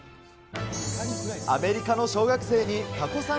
アメリカの小学生にタコさん